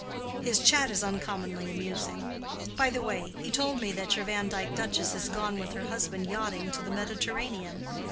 His chat is uncommonly amusing. By the way, he told me that your Vandyke duchess is gone with her husband yachting to the Mediterranean.